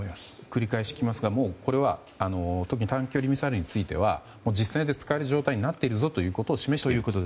繰り返し聞きますがこれは短距離ミサイルについては実戦で使える状態になっているということを示したと。